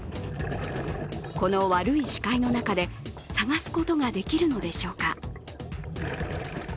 この悪い視界の中で、探すことができるのでしょうか。